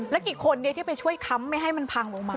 แล้วกี่คนที่ไปช่วยค้ำไม่ให้มันพังลงมา